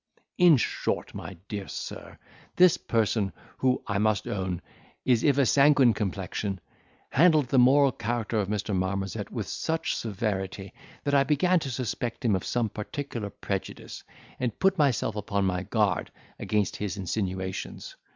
"In short, my dear sir, this person, who, I must own, is if a sanguine complexion, handled the moral character of Mr. Marmozet with such severity, that I began to suspect him of some particular prejudice, and put myself upon my guard against his insinuations.